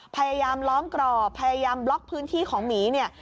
พยายามล้อมกรอบพยายามบล็อกพื้นที่ของหมีเนี่ย